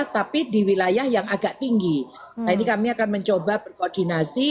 tapi di wilayah yang agak tinggi nah ini kami akan mencoba berkoordinasi